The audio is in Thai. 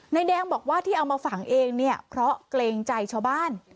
แดงบอกว่าที่เอามาฝังเองเนี่ยเพราะเกรงใจชาวบ้าน